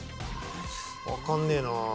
分かんねえな。